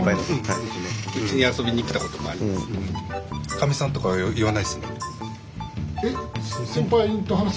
かみさんとかは言わないですね。